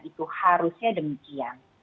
itu harusnya demikian